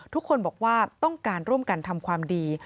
ทุกคนบอกว่าต้องการร่วมกันทำความดี